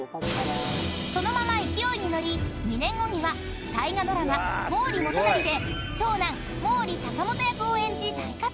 ［そのまま勢いに乗り２年後には大河ドラマ『毛利元就』で長男毛利隆元役を演じ大活躍］